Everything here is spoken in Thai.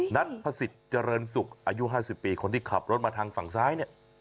นัทพระสิทธิ์เจริญสุขอายุ๕๐ปีคนที่ขับรถมาทางฝั่งซ้าย